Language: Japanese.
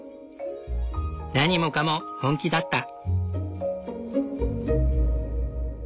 何もかも本気だった。